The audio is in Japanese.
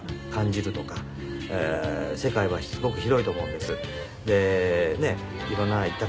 世界はすごく広いと思うんです。